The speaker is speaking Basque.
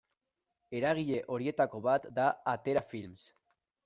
Eragile horietako bat da Atera Films.